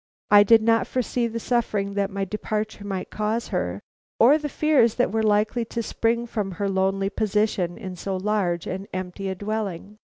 I did not foresee the suffering that my departure might cause her, or the fears that were likely to spring from her lonely position in so large and empty a dwelling.